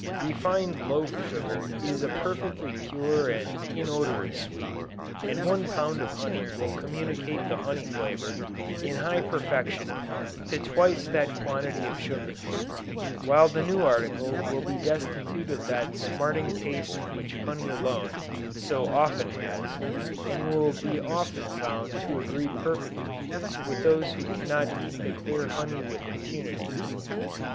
Refined loaf sugar is a perfectly pure and inodorous sweet, and one pound of honey will communicate the honey flavor, in high perfection, to twice that quantity of sugar: while the new article will be destitute of that smarting taste which honey alone, so often has, and will be often found to agree perfectly with those who cannot eat the clear honey with impunity.